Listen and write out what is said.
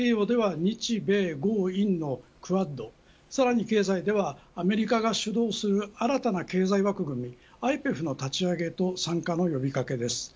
広くインド太平洋では日、米、豪、印のクアッドさらに経済はアメリカが主導する新たな経済枠組みＩＰＥＦの立ち上げと参加の呼び掛けです。